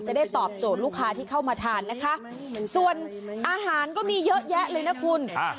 จะได้ตอบโจทย์ลูกค้าที่เข้ามาทานนะคะส่วนอาหารก็มีเยอะแยะเลยนะคุณ